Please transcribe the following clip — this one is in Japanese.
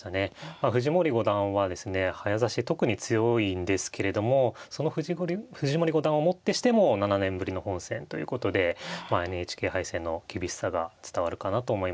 藤森五段はですね早指し特に強いんですけれどもその藤森五段をもってしても７年ぶりの本戦ということでＮＨＫ杯戦の厳しさが伝わるかなと思います。